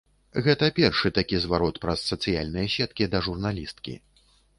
Гэта першы такі зварот праз сацыяльныя сеткі да журналісткі.